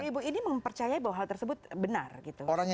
ibu ini mempercayai bahwa hal tersebut benar gitu